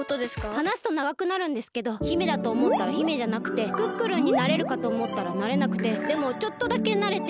はなすとながくなるんですけど姫だとおもったら姫じゃなくてクックルンになれるかとおもったらなれなくてでもちょっとだけなれて。